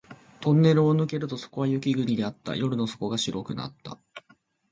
トンネルを抜けるとそこは雪国であった。夜の底が白くなった